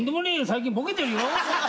最近ボケてるよ。